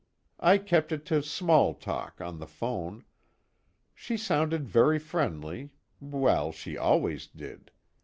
I kept it to small talk, on the phone. She sounded very friendly well, she always did.